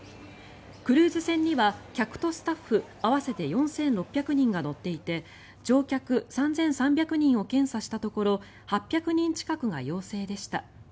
クルーズ船には客とスタッフ合わせて４６００人が乗っていて乗客３３００人を検査したところ８００人近くが陽性でした。